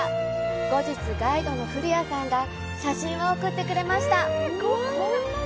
後日、ガイドの古谷さんが写真を送ってくれました。